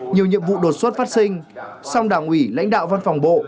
nhiều nhiệm vụ đột xuất phát sinh song đảng ủy lãnh đạo văn phòng bộ